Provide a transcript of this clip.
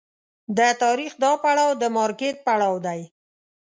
د تاریخ دا پړاو د مارکېټ پړاو دی.